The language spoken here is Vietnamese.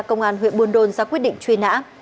công an huyện buôn đôn ra quyết định truy nã